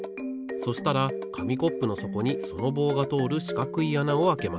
そしたらかみコップのそこにその棒がとおるしかくいあなをあけます。